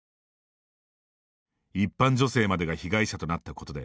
一般女性までが被害者となったことで